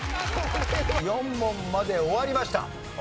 ４問まで終わりました。